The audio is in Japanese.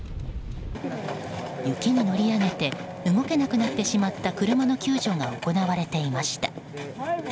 雪に乗り上げて動けなくなってしまった車の救助が行われていました。